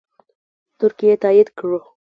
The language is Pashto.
ترکیې تایید کړه